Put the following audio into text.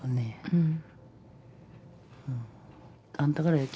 うん。